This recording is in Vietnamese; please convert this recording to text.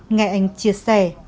ngày anh chia sẻ